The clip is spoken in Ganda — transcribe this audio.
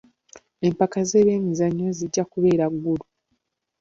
Empaka z'ebyemizannyo zijja kubeera Gulu.